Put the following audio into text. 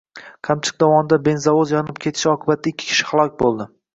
Qamchiq dovonida «benzovoz» yonib ketishi oqibatida ikki kishi halok bo‘ldi